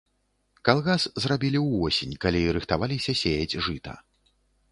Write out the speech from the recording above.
Калгас зрабілі ўвосень, калі рыхтаваліся сеяць жыта.